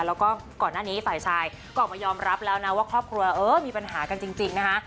แล้วก็ก่อนหน้านี้ฝ่ายชายก็ออกมายอมรับแล้วนะว่าครอบครัวเออมีปัญหากันจริงนะคะ